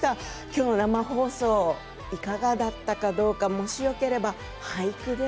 今日の生放送いかがだったかどうかもしよければ俳句で。